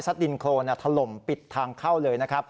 ซัดดินโครนทะลมปิดทางเข้าเลย